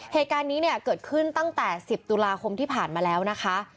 เหตุการณ์นี้เนี่ยเกิดขึ้นตั้งแต่๑๐ตุลาคมที่ผ่านมาแล้วนะคะ